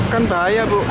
kan bahaya bu